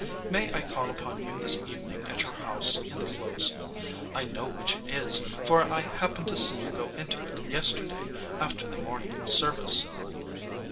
May I call upon you this evening at your house in the close? I know which it is, for I happened to see you go into it yesterday after the morning service."